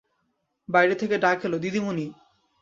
বাইরে থেকে ডাক এল, দিদিমণি।